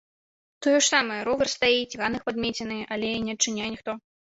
Тое ж самае, ровар стаіць, ганак падмецены, але не адчыняе ніхто.